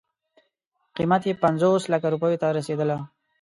قیمت یې پنځوس لکو روپیو ته رسېدله.